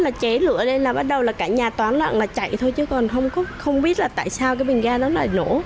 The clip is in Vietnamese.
nó cháy lửa lên là bắt đầu là cả nhà toán lặng là chạy thôi chứ còn không biết là tại sao cái bình ga nó lại nổ